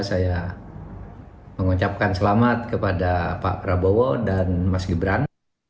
saya mengucapkan selamat kepada pak prabowo dan mas gibran